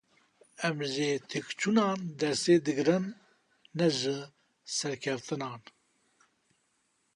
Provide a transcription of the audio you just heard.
Em ji têkçûnan dersê digirin, ne ji serkeftinan!